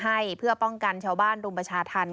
ให้เพื่อป้องกันชาวบ้านรุมประชาธรรม